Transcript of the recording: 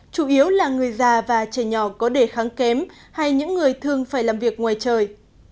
chủ yếu là người già và trẻ nhỏ có đề kháng kém hay những người thường phải làm việc ngoài trời